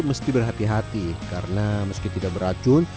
mesti berhati hati karena meski tidak beracun